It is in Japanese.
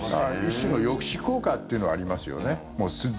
一種の抑止効果というのはありますよね。